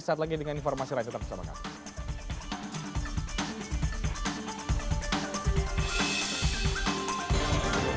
sesaat lagi dengan informasi lain tetap bersama kami